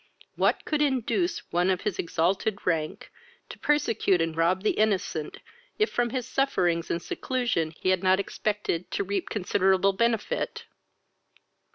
What could induce one of his exalted rank to persecute and rob the innocent, if from his sufferings and seclusion he had not expected to reap considerable benefit!"